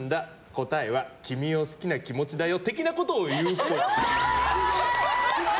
答えは、君を好きな気持ちだよ的なことを言うっぽい。